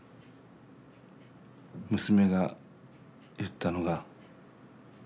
娘が言ったのが。